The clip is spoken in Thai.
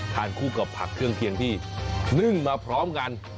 คู่กับผักเครื่องเคียงที่นึ่งมาพร้อมกัน